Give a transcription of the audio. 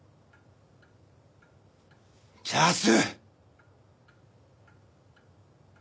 ジャス！